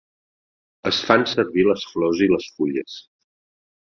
Es fan servir les flors i les fulles.